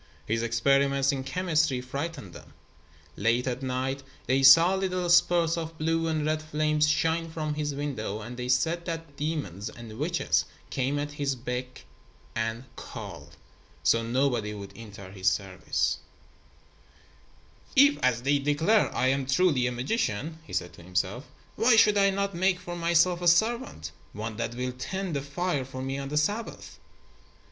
His experiments in chemistry frightened them. Late at nights they saw little spurts of blue and red flame shine from his window, and they said that demons and witches came at his beck and call. So nobody would enter his service. [Illustration: The monster was battering down the door of the synagogue. (Page 249).] "If, as they declare, I am truly a magician," he said to himself, "why should I not make for myself a servant, one that will tend the fire for me on the Sabbath?"